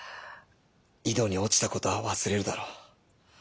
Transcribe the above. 井戸に落ちた事は忘れるだろう。